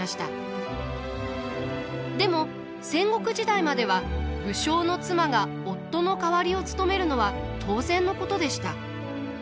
でも戦国時代までは武将の妻が夫の代わりを務めるのは当然のことでした。